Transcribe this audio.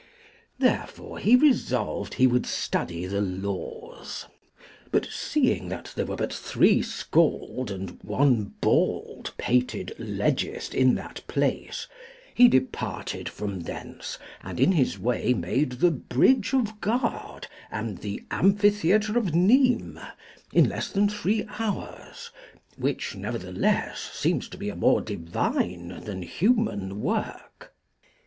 Therefore he resolved he would study the laws; but seeing that there were but three scald and one bald pated legist in that place, he departed from thence, and in his way made the bridge of Guard and the amphitheatre of Nimes in less than three hours, which, nevertheless, seems to be a more divine than human work.